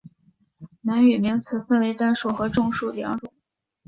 满语名词分成单数和众数两种。